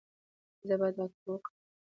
ایا زه باید اکو وکړم؟